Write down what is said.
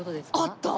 あった。